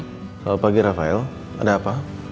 selamat pagi rafael ada apa